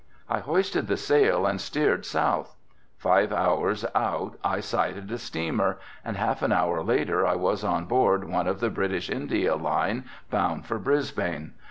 I hoisted the sail and steered south. Five hours out I sighted a steamer and half an hour later I was on board one of the British India line bound for Brisbane.